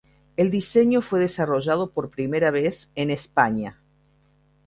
El diseño fue desarrollado por primera vez en España.